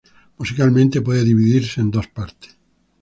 Musicalmente, puede dividirse en dos partes.